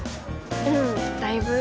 うんだいぶ。